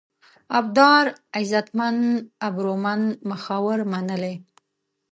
ابدار: عزتمن، ابرومند ، مخور، منلی